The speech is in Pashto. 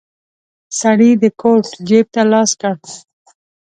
سړی د کوټ جيب ته لاس کړ.